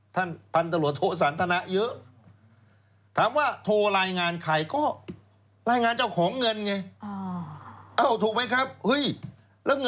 ท่านพันธรตโรโทสาหรันต์ธนาชีวิตเยอะ